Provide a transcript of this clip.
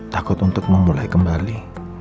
takut untuk memulai kembali